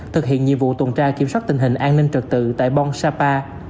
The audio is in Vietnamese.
thực hiện nhiệm vụ tuần tra kiểm soát tình hình an ninh trật tự tại bon sapa